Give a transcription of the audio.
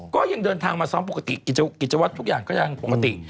ก็ยังเดินทางมาซ้อมปกติกิจวัตรทุกอย่างก็ยังปกติ